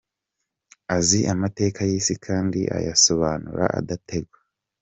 Azi amateka y’isi kandi ayasobanura adategwa.